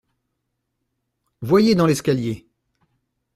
Voyez dans l’escalier…